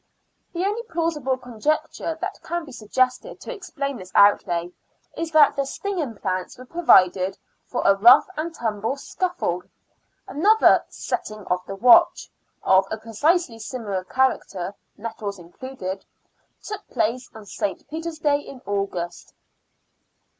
The only plausible conjecture that can be sugges ted to explain this outlay is that the stinging plants were provided for a rough and tumble scuffle. Another " Setting of the Watch," of a precisely similar character (nettles included), took place on St. Peter's Day in August.